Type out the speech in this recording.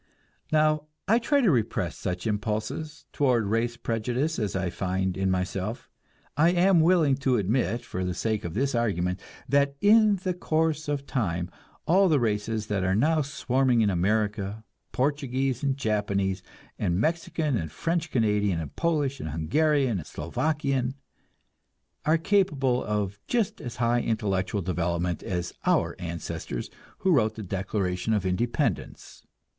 Now, I try to repress such impulses toward race prejudice as I find in myself. I am willing to admit for the sake of this argument that in the course of time all the races that are now swarming in America, Portuguese and Japanese and Mexican and French Canadian and Polish and Hungarian and Slovakian, are capable of just as high intellectual development as our ancestors who wrote the Declaration of Independence.